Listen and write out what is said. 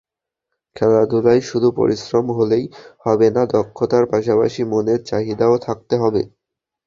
খেলাধুলায় শুধু পরিশ্রম করলে হবে না, দক্ষতার পাশাপাশি মনের চাহিদাও থাকতে হবে।